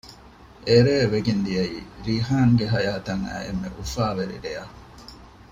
އެރޭ ވެގެންދިޔައީ ރީޙާންގެ ޙަޔާތަށް އައި އެންމެ އުފާވެރި ރެޔަށް